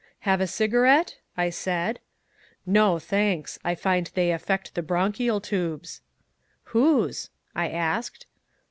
"Have a cigarette?" I said. "No, thanks; I find they affect the bronchial toobes." "Whose?" I asked.